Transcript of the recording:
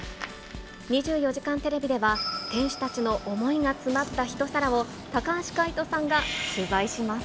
２４時間テレビでは、店主たちの想いが詰まった一皿を、高橋海人さんが取材します。